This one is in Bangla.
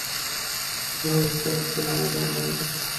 ক্রোধে তার চেহারা লাল হয়ে উঠেছিল।